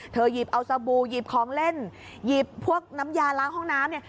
หยิบเอาสบู่หยิบของเล่นหยิบพวกน้ำยาล้างห้องน้ำเนี่ย